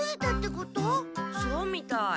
そうみたい。